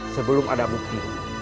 sebelum ada bukti